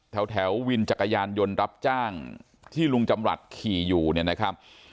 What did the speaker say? แถววินจักรยานยนต์รับจ้างที่ลุงจำรัฐขี่อยู่เนี่ยนะครับ